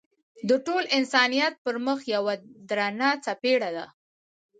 د ټول انسانیت پر مخ یوه درنه څپېړه ده.